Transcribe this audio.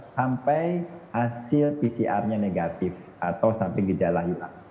sampai hasil pcr nya negatif atau sampai gejala hilang